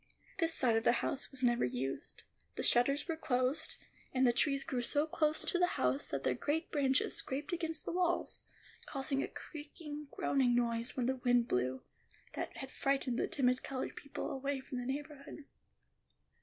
This side of the house was never used; the shutters were closed; and the trees grew so close to the house that their great branches scraped against the walls, causing a creaking, groaning noise when the wind blew, that had frightened the timid colored people away from the neighborhood.